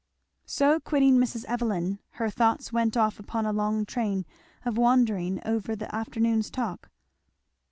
So quitting Mrs. Evelyn her thoughts went off upon a long train of wandering over the afternoon's talk.